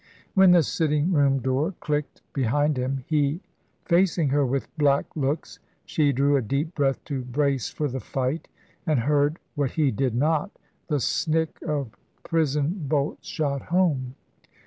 When the sitting room door clicked behind him he facing her with black looks she drew a deep breath to brace for the fight, and heard, what he did not, the snick of prison bolts shot home.